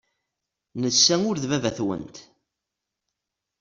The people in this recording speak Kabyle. Netta ur d baba-twent.